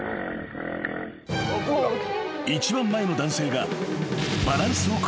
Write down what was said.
［一番前の男性が］